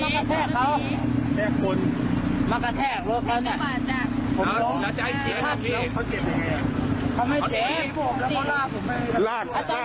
ของเมื่อไปแจ้งไปแจ้ง